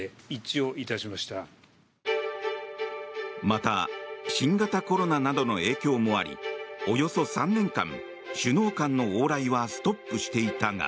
また新型コロナなどの影響もありおよそ３年間、首脳間の往来はストップしていたが。